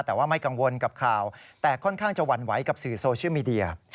แต่ว่าไม่กังวลกับข่าวแต่ค่อนข้างจะหวั่นไหวกับสื่อโซเชียลมีเดีย